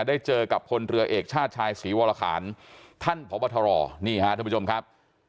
ได้เจอกับพลเรือเอกชาติชายศรีวรคารท่านพบทรนี่ฮะท่านผู้ชมครับ